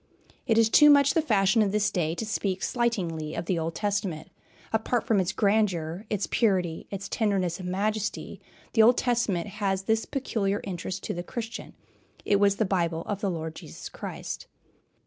It is too much the fashion of this day to speak slightingly of the Old Testament. Apart from its grandeur, its purity, its tenderness and majesty, the Old Testament has this peculiar interest to the Christian, it was the Bible of the Lord Jesus Christ.